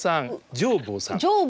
上法さん。